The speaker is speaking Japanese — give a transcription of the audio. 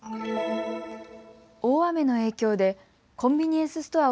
大雨の影響でコンビニエンスストア